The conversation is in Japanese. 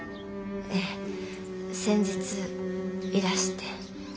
ええ。先日いらして。